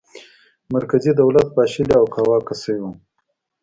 مرکزي دولت پاشلی او کاواکه شوی و.